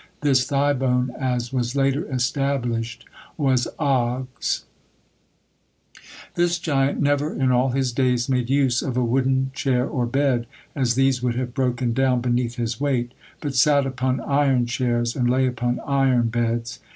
This thigh bone, as was later established, was Og's. This giant never in all his days made use of a wooden chair or bed, as these would have broken down beneath his weight, but sat upon iron chairs and lay upon iron beds.